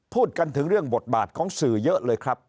พูดกันถึงเรื่องบทบาทของสื่อเยอะเลยครับ